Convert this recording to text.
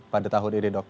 pada tahun ini dok